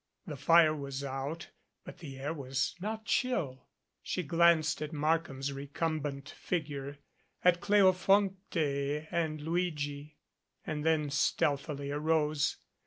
The fire was out, but the air was not chill. She glanced at Markham's recumbent figure, at Cleofonte and Luigi, and then stealthily arose.